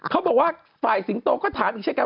เขาบอกว่าฝ่ายสิงโตก็ถามดนตร่าน